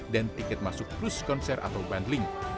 dan tiket masuk plus konser atau bundling